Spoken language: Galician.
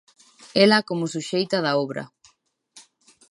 Ela como suxeita da obra.